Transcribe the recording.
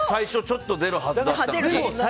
すごい！最初ちょっと出るはずだっただけなのに。